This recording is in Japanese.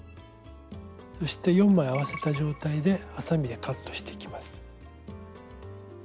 そして４枚合わせた状態ではさみでカットしていきます。